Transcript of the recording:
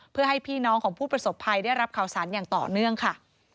เพื่อให้พี่น้องของผู้ประสบภัยได้รับข่าวสารอย่างต่อเนื่องค่ะ